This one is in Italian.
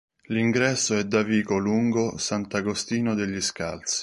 L'ingresso è da vico lungo Sant'Agostino degli Scalzi.